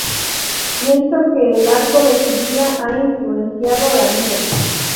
Pienso que el arco de su vida ha influenciado la mía.